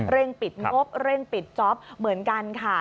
ปิดงบเร่งปิดจ๊อปเหมือนกันค่ะ